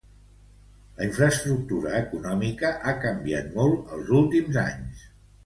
La infraestructura econòmica ha canviat molt els últims anys.